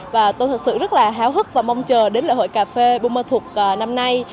và tôi thật sự rất là háo hức và mong chờ đến lễ hội cà phê buôn ma thuật năm nay